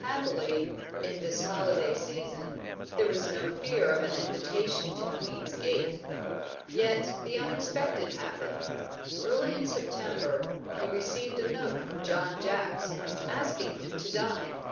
Happily, in this holiday season, there was no fear of an invitation to Queen's Gate. Yet the unexpected happened. Early in September, he received a note from John Jacks, asking him to dine.